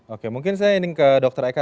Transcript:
oke mungkin saya ingin ke dr eka